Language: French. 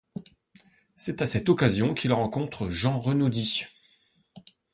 C'est à cette occasion qu'ils rencontrent Jean Renaudie.